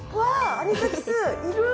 アニサキスいる！